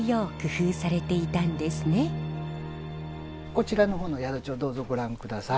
こちらの方の宿帳どうぞご覧ください。